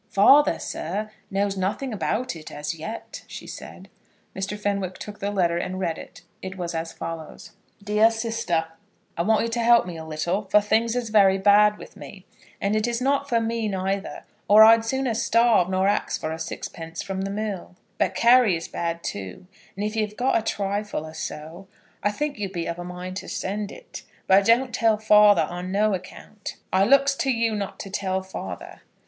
"Father, sir, knows nothing about it as yet," she said. Mr. Fenwick took the letter and read it. It was as follows: DEAR SISTER, I want you to help me a little, for things is very bad with me. And it is not for me neither, or I'd sooner starve nor ax for a sixpence from the mill. But Carry is bad too, and if you've got a trifle or so, I think you'd be of a mind to send it. But don't tell father, on no account. I looks to you not to tell father.